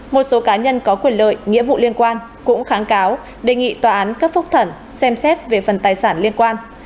một số cá nhân có quyền lợi nghĩa vụ liên quan cũng kháng cáo đề nghị tòa án cấp phúc thẩm xem xét về phần tài sản liên quan